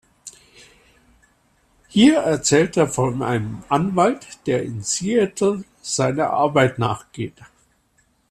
Hier erzählt er von einem Anwalt, der in Seattle seiner Arbeit nachgeht.